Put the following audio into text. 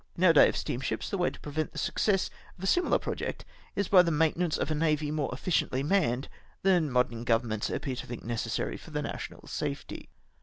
In our day of steam ships the way to prevent the suc cess of a similar project is by the mamtenance of a navy more efficiently mamied than modern governments appear to think necessary for national safety.